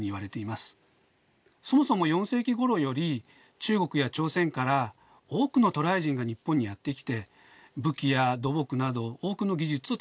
そもそも４世紀ごろより中国や朝鮮から多くの渡来人が日本にやって来て武器や土木など多くの技術を伝えていました。